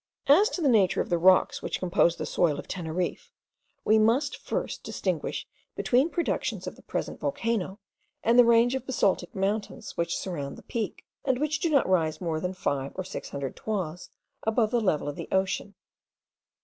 As to the nature of the rocks which compose the soil of Teneriffe, we must first distinguish between productions of the present volcano, and the range of basaltic mountains which surround the Peak, and which do not rise more than five or six hundred toises above the level of the ocean.